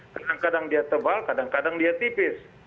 kadang kadang dia tebal kadang kadang dia tipis